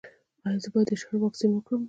ایا زه باید د شري واکسین وکړم؟